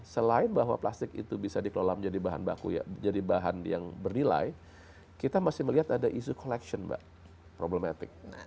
selain bahwa plastik itu bisa dikelola menjadi bahan yang bernilai kita masih melihat ada isu collection problematic